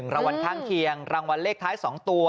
รางวัลข้างเคียงรางวัลเลขท้าย๒ตัว